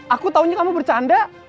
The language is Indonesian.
aku taunya kamu bercanda